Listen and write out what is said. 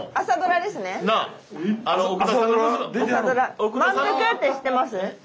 朝ドラですね？